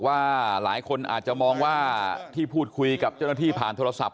ว่าหลายคนอาจจะมองว่าที่พูดคุยกับเจ้าหน้าที่ผ่านโทรศัพท์